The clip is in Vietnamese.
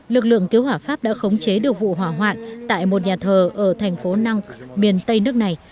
lực lượng cứu hỏa pháp đã khống chế được vụ hỏa hoạn tại một nhà thờ ở thành phố nang miền tây nước này